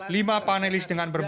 lima panelis dengan berbual